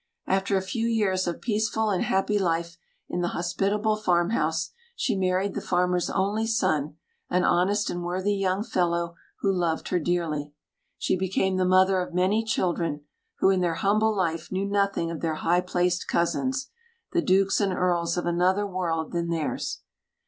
After a few years of peaceful and happy life in the hospitable farmhouse, she married the farmer's only son, an honest and worthy young fellow who loved her dearly. She became the mother of many children, who in their humble life knew nothing of their high placed cousins, the Dukes and Earls of another world than theirs.